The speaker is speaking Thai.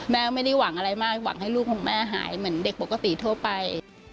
แม่ไม่ได้หวังอะไรมากหวังให้ลูกของแม่หายเหมือนเด็กปกติทั่วไป